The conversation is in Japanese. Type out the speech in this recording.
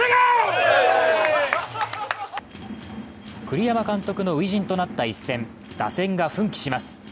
栗山監督の初陣となった一戦、打線が奮起します。